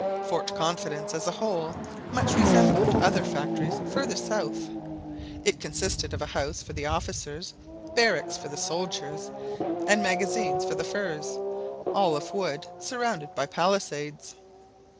Fort Confidence, as a whole, much resembled other factories further south. It consisted of a house for the officers, barracks for the soldiers, and magazines for the furs all of wood, surrounded by palisades.